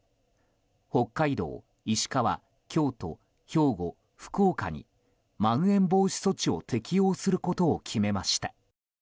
北海道、石川、京都兵庫、福岡にまん延防止措置を適用することを決めました。